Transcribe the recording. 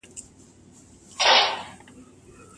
باران به د لوړې پاڼې نرمه غاړه لا تازه کړي.